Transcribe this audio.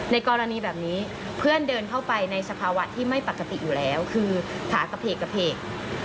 กรณีแบบนี้เพื่อนเดินเข้าไปในสภาวะที่ไม่ปกติอยู่แล้วคือขากระเพกกระเพก